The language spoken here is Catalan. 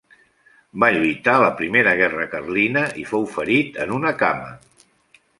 Va lluitar a la Primera Guerra Carlina i fou ferit en una cama.